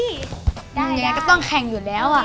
ยังไงก็ต้องแข่งอยู่แล้ว